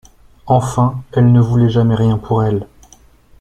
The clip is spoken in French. Enfin elle ne voulait jamais rien pour elle.